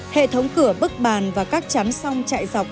hệ thống cửa bức bàn và các chắn song chạy dọc